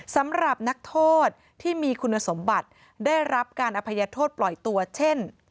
สำหรับนักโทษที่มีคุณสมบัติได้รับการอภัยโทษปล่อยตัวเช่น